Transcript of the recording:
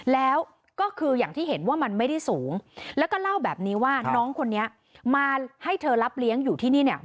แล้วก็คืออย่างที่เห็นว่ามันไม่ได้สูงแล้วก็เล่าแบบนี้ว่าน้องคนนี้มาให้เธอรับเลี้ยงอยู่ที่นี่เนี่ย